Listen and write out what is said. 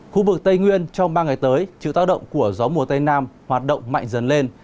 khu vực tây nguyên trong ba ngày tới chịu tác động của gió mùa tây nam hoạt động mạnh dần lên